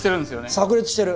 さく裂してる。